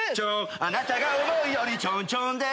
あなたが思うよりちょんちょんです